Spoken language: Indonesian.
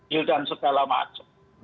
gil dan segala macam